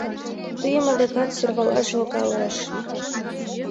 Тыйым адакат сӧрвалаш логалеш.